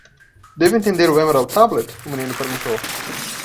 "Devo entender o Emerald Tablet?" o menino perguntou.